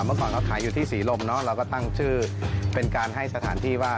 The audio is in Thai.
เมื่อก่อนเขาขายอยู่ที่ศรีลมเนาะเราก็ตั้งชื่อเป็นการให้สถานที่ว่า